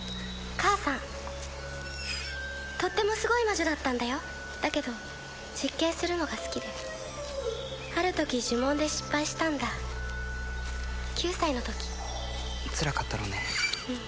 母さんとってもすごい魔女だったんだよだけど実験するのが好きである時呪文で失敗したんだ９歳の時つらかったろうねうん